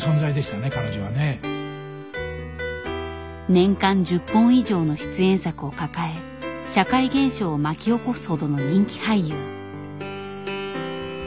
年間１０本以上の出演作を抱え社会現象を巻き起こすほどの人気俳優。